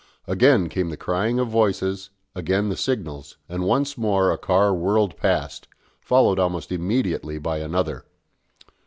Again came the crying of voices, again the signals, and once more a car whirled past, followed almost immediately by another.